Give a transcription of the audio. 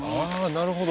なるほど。